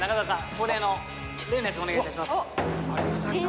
恒例の例のやつお願いいたします。